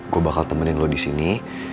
gue bakal temenin lo disini